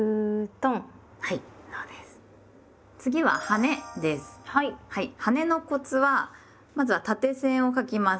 はねのコツはまずは縦線を書きます。